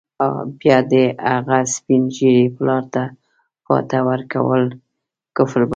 بيا دې د هغه سپین ږیري پلار ته فاتحه ورکول کفر وبلل.